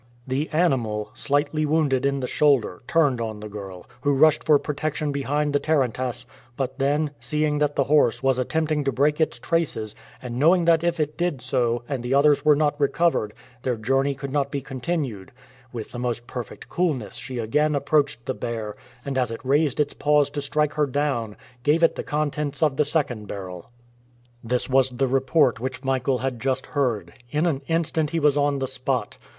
The animal, slightly wounded in the shoulder, turned on the girl, who rushed for protection behind the tarantass, but then, seeing that the horse was attempting to break its traces, and knowing that if it did so, and the others were not recovered, their journey could not be continued, with the most perfect coolness she again approached the bear, and, as it raised its paws to strike her down, gave it the contents of the second barrel. This was the report which Michael had just heard. In an instant he was on the spot.